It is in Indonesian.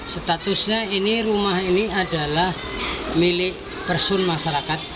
statusnya rumah ini adalah milik person masyarakat